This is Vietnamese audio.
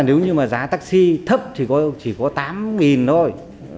nếu như mà giá taxi thấp thì chỉ có tám thôi